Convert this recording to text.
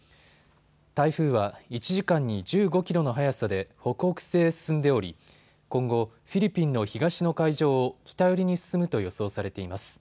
台風は１時間に１５キロの速さで北北西へ進んでおり今後、フィリピンの東の海上を北寄りに進むと予想されています。